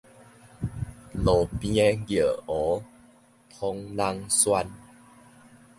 路邊个尿壺，通人漩